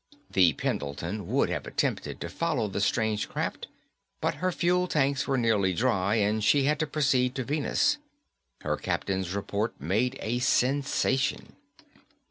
_ The Pendleton would have attempted to follow the strange craft, but her fuel tanks were nearly dry and she had to proceed to Venus. Her captain's report made a sensation.